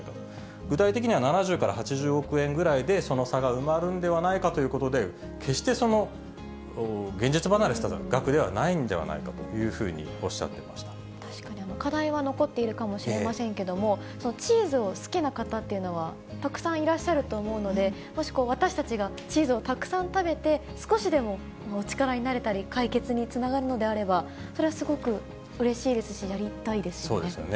具体的には７０から８０億円ぐらいで、その差が埋まるんではないかということで、決して現実離れした額ではないんではないかというふうにおっしゃ確かに、課題は残っているかもしれませんけれども、チーズを好きな方っていうのはたくさんいらっしゃると思うので、もし私たちがチーズをたくさん食べて、少しでもお力になれたり、解決につながるのであれば、それはすごくうれしいですし、そうですよね。